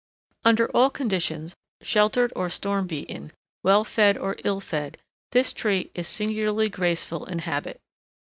Under all conditions, sheltered or storm beaten, well fed or ill fed, this tree is singularly graceful in habit.